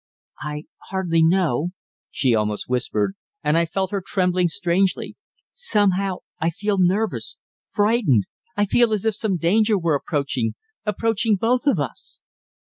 "I hardly know," she almost whispered, and I felt her trembling strangely. "Somehow I feel nervous, frightened. I feel as if some danger were approaching approaching both of us."